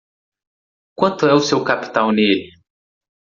Quanto é o seu capital nele?